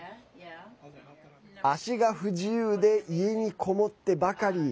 足が不自由で家に籠もってばかり。